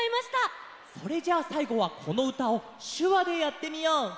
それじゃあさいごはこのうたをしゅわでやってみよう。